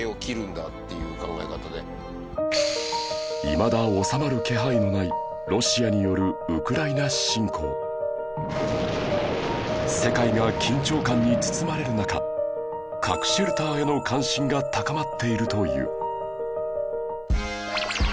いまだ収まる気配のない世界が緊張感に包まれる中核シェルターへの関心が高まっているという